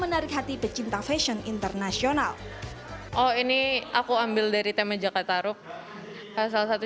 menarik hati pecinta fashion internasional oh ini aku ambil dari tema jakarta roop salah satu